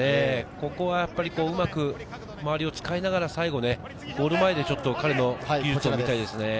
ここはうまく周りを使いながら、ゴール前で彼の技術が見たいですね。